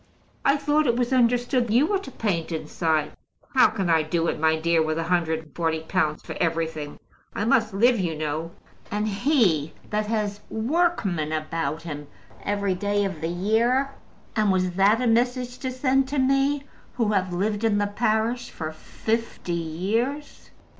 "I thought it was understood you were to paint inside." "How can I do it, my dear, with a hundred and forty pounds for everything? I must live, you know! And he that has workmen about him every day of the year! And was that a message to send to me, who have lived in the parish for fifty years?